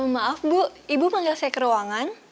maaf bu ibu manggil saya ke ruangan